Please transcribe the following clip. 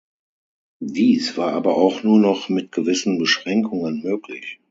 Dies war aber auch nur noch mit gewissen Beschränkungen möglich.